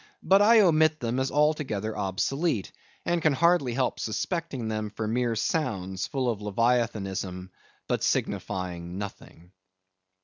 But I omit them as altogether obsolete; and can hardly help suspecting them for mere sounds, full of Leviathanism, but signifying nothing.